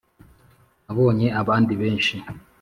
nabonye abandi benshi